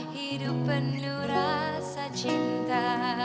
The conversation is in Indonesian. hidup penuh rasa cinta